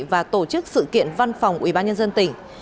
và tổ chức sự kiện văn phòng ubnd tỉnh